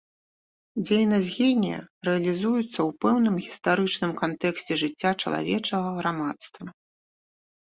Дзейнасць генія рэалізуецца ў пэўным гістарычным кантэксце жыцця чалавечага грамадства.